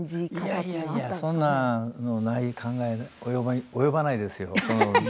いやいやそんな考えには及ばないですよ。